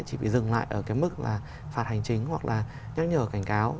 chỉ bị dừng lại ở cái mức là phạt hành chính hoặc là nhắc nhở cảnh cáo